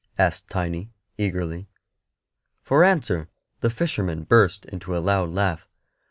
asked Tiny, eagerly. For answer the fisherman burst into a loud laugh.